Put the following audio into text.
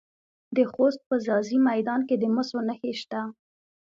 د خوست په ځاځي میدان کې د مسو نښې شته.